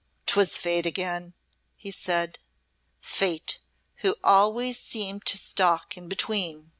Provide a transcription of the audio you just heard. "'Twas Fate again," he said, "Fate! who has always seemed to stalk in between!